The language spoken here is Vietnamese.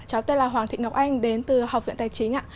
cháu tên là hoàng thị ngọc anh đến từ học viện tài chính ạ